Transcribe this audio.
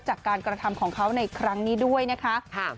จากการกระทำของเขาในครั้งนี้ด้วยนะคะ